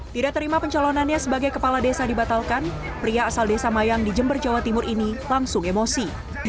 tidak terima pencalonannya sebagai kepala desa dibatalkan pria asal desa mayang di jember jawa timur ini langsung emosi